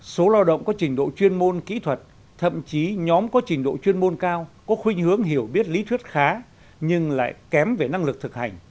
số lao động có trình độ chuyên môn kỹ thuật thậm chí nhóm có trình độ chuyên môn cao có khuyên hướng hiểu biết lý thuyết khá nhưng lại kém về năng lực thực hành